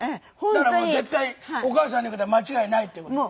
だから絶対お母さんの言う事は間違いないっていう事で。